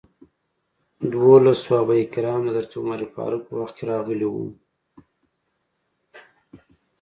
دولس صحابه کرام د حضرت عمر فاروق په وخت کې راغلي وو.